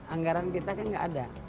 anggaran kita kan nggak ada